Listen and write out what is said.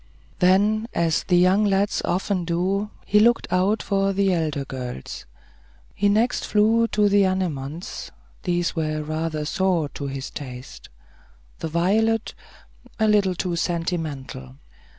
Then, as the young lads often do, he looked out for the elder girls. He next flew to the anemones; these were rather sour to his taste. The violet, a little too sentimental.